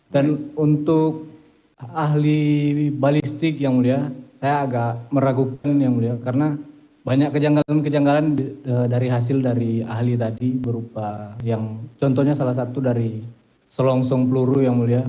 dan untuk ahli balistik yang mulia saya agak meragukan yang mulia karena banyak kejanggalan kejanggalan dari hasil dari ahli tadi berupa yang contohnya salah satu dari selongsong peluru yang mulia